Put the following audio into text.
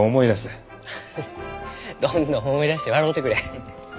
フフどんどん思い出して笑うてくれ。